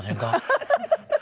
ハハハハ！